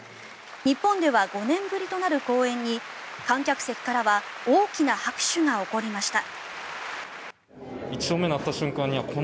日本では５年ぶりとなる公演に観客席からは大きな拍手が起こりました。